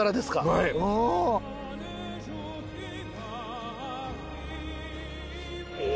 はいおお！